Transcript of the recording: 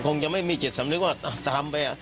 องค์คงจะไม่มีเจริฐ์ฉันคิดว่าตามไป